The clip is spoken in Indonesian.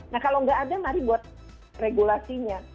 nah kalau nggak ada mari buat regulasinya